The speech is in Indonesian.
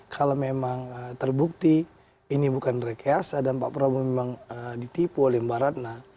kalau memang terbukti ini bukan rekayasa dan pak prabowo memang ditipu oleh mbak ratna